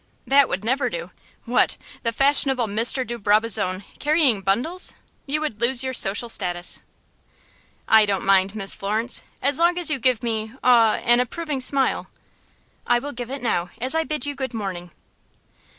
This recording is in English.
"That would never do. What! the fashionable Mr. de Brabazon carrying bundles? You would lose your social status." "I don't mind, Miss Florence, as long as you give me aw an approving smile." "I will give it now, as I bid you good morning."